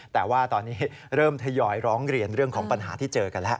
แต่ว่าตอนนี้เริ่มทยอยร้องเรียนเรื่องของปัญหาที่เจอกันแล้ว